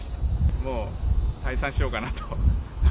もう退散しようかなと。